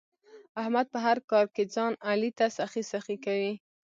احمد په هر کار کې ځان علي ته سخی سخی کوي.